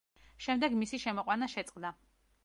შემდეგ მისი შემოყვანა შეწყდა.